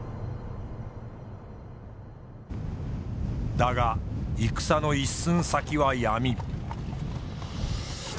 だが戦の一寸先は闇。